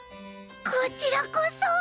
こちらこそ！